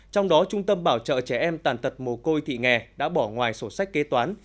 trong đó trung tâm bảo trợ trẻ em tàn tật mồ côi thị nghè đã bỏ ngoài sổ sách kế toán